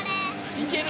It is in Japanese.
いける！